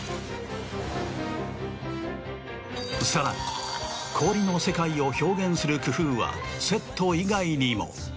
さらに氷の世界を表現する工夫はセット以外にも。